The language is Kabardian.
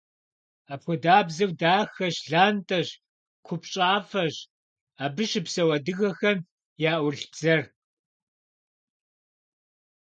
Апхуэдабзэу дахэщ, лантӀэщ, купщӀафӀэщ абы щыпсэу адыгэхэм яӀурылъ бзэр.